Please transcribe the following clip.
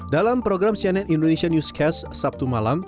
dalam program cnn indonesia newscast sabtu malam